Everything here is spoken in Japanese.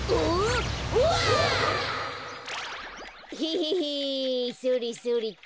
ヘヘヘそれそれっと。